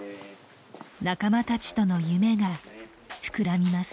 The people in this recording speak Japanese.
仲間たちとの夢が膨らみます。